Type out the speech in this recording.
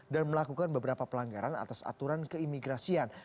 dan melakukan beberapa pelanggaran atas aturan keimigrasian